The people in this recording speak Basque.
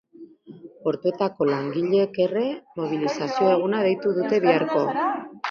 Portuetako langileek ere, mobilizazio eguna deitu dute biharko.